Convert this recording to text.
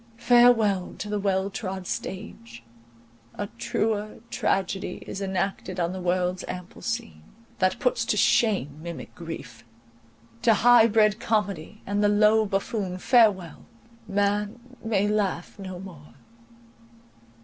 —Farewell to the well trod stage; a truer tragedy is enacted on the world's ample scene, that puts to shame mimic grief: to high bred comedy, and the low buffoon, farewell!—Man may laugh no more.